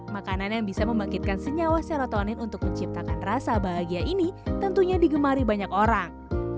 makanan yang bisa membangkitkan senyawa serotonin untuk menciptakan rasa bahagia ini tentunya digemari banyak orang